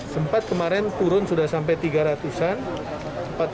sempat kemarin turun sudah sampai tiga ratus an